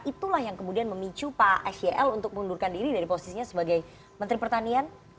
itulah yang kemudian memicu pak sel untuk mundurkan diri dari posisinya sebagai menteri pertanian